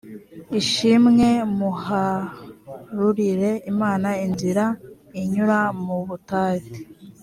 ishimwe muharurire imana inzira inyura mu butayu